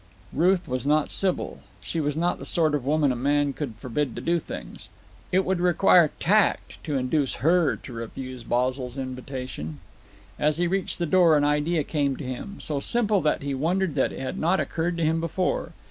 Ruth was not Sybil. She was not the sort of woman a man could forbid to do things. It would require tact to induce her to refuse Basil's invitation. As he reached the door an idea came to him, so simple that he wondered that it had not occurred to him before.